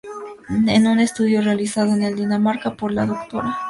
En un estudio realizado en Dinamarca por la Dra.